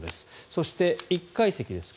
そして、１階席です。